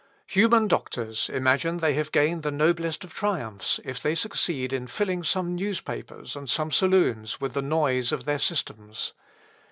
Human doctors imagine they have gained the noblest of triumphs if they succeed in filling some newspapers and some saloons with the noise of their systems.